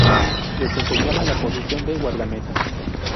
Desempeñaba la posición de guardameta.